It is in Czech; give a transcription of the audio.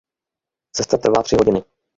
Cesta trvá tři hodiny.